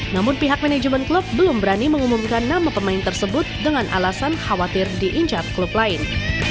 namun pihak manajemen klub belum berani mengumumkan nama pemain tersebut dengan alasan khawatir diincap klub lain